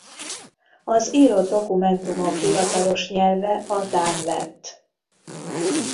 Az írott dokumentumok hivatalos nyelve a dán lett.